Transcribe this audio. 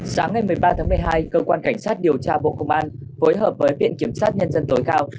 sáng ngày một mươi ba tháng một mươi hai cơ quan cảnh sát điều tra bộ công an phối hợp với viện kiểm sát nhân dân tối cao